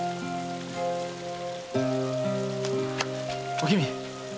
おきみ！